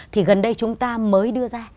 thì gần đây chúng ta mới đưa ra